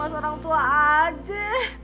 bikin cemas orang tua aja